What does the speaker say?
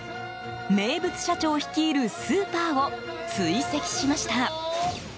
名物社長率いるスーパーを追跡しました。